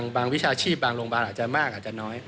วิชาชีพบางโรงพยาบาลอาจจะมากอาจจะน้อย